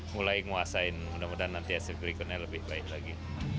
mulai nguasain mudah mudahan nanti hasil berikutnya lebih baik lagi